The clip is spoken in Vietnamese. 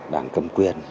đảng cầm quyền